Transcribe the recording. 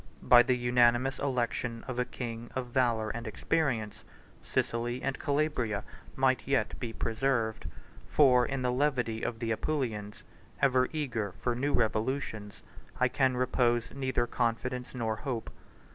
By the unanimous election of a king of valor and experience, Sicily and Calabria might yet be preserved; 130 for in the levity of the Apulians, ever eager for new revolutions, I can repose neither confidence nor hope.